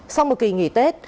sau một kỳ nghỉ tết